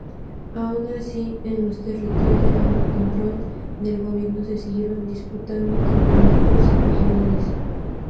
Aun así, en los territorios bajo control del Gobierno, se siguieron disputando campeonatos regionales.